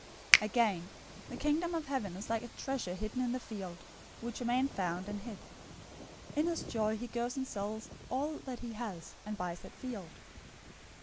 013:044 "Again, the Kingdom of Heaven is like a treasure hidden in the field, which a man found, and hid. In his joy, he goes and sells all that he has, and buys that field.